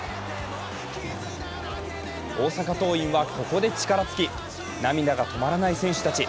大阪桐蔭は、ここで力尽き、涙が止まらない選手たち。